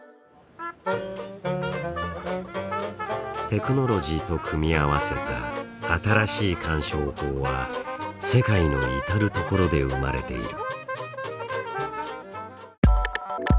テクノロジーと組み合わせた新しい鑑賞法は世界の至る所で生まれている。